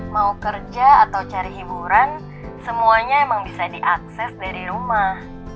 mau kerja atau cari hiburan semuanya emang bisa diakses dari rumah